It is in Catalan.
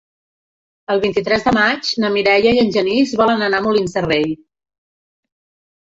El vint-i-tres de maig na Mireia i en Genís volen anar a Molins de Rei.